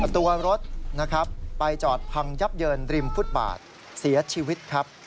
ตัวรถนะครับไปจอดพังยับเยินริมฟุตบาทเสียชีวิตครับ